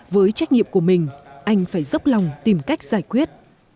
với trách nhiệm của mình anh phải dốc lòng tìm cách giải quyết